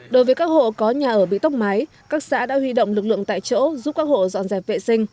đối với các hộ có nhà ở bị tốc máy các xã đã huy động lực lượng tại chỗ giúp các hộ dọn dẹp vệ sinh